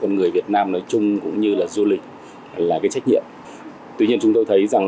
con người việt nam nói chung cũng như là du lịch là cái trách nhiệm tuy nhiên chúng tôi thấy rằng